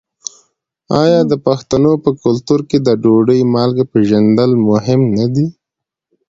آیا د پښتنو په کلتور کې د ډوډۍ مالګه پیژندل مهم نه دي؟